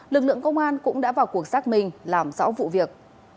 lực lượng công an cũng đã vào cuộc xác minh làm rõ vụ việc